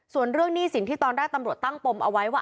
ส่วนเรื่องหนี้สินที่ตอนแรกตำรวจตั้งปมเอาไว้ว่า